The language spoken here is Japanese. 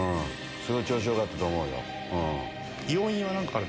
すごい調子よかったと思うよ、うん。